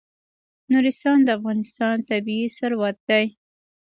نورستان د افغانستان طبعي ثروت دی.